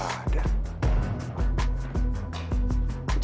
aku cuma pengen nyanyi